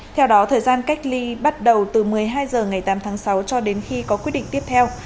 theo đó thời gian cách ly bắt đầu từ một mươi hai h ngày tám tháng sáu cho đến khi có quyết định tiếp theo